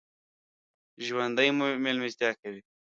ژوندي مېلمستیا کوي